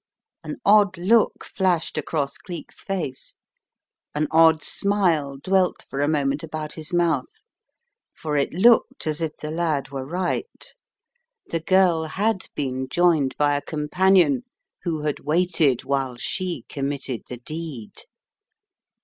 An odd look flashed across Cleek's face, an odd smile dwelt for a moment about his mouth, for it looked as if the lad were right: the girl had been joined by a companion who had waited while she committed the deed.